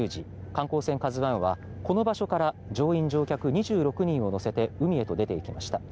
観光船「ＫＡＺＵ１」はこの場所から乗員・乗客２６人を乗せて海へと出ていきました。